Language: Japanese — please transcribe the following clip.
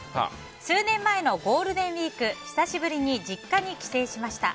数年前のゴールデンウィーク久しぶりに実家に帰省しました。